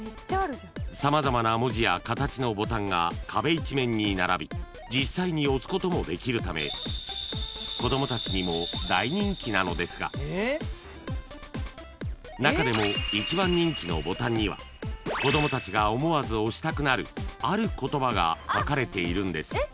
［様々な文字や形のボタンが壁一面に並び実際に押すこともできるため子供たちにも大人気なのですが中でも一番人気のボタンには子供たちが思わず押したくなるある言葉が書かれているんです］